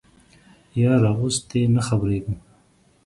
یاره اوس تې نه خبریږم